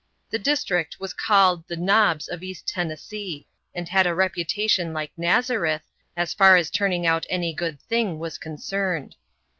The district was called the "Knobs of East Tennessee," and had a reputation like Nazareth, as far as turning out any good thing was concerned.